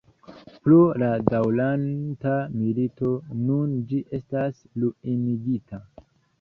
Pro la daŭranta milito nun ĝi estas ruinigita.